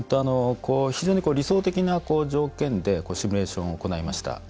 非常に理想的な条件でシミュレーションを行いました。